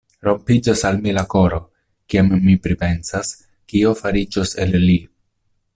Rompiĝas al mi la koro, kiam mi pripensas, kio fariĝos el li!